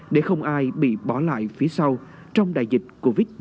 để không ai bị bỏ lại phía sau trong đại dịch covid một mươi chín